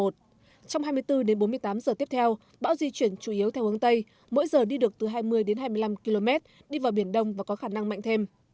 trong hai mươi bốn đến bốn mươi tám giờ tiếp theo bão di chuyển chủ yếu theo hướng tây mỗi giờ đi được từ hai mươi đến hai mươi năm km đi vào biển đông và có khả năng mạnh thêm